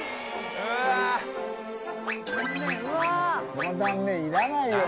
この断面いらないよ